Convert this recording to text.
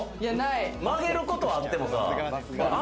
曲げることはあってもさ。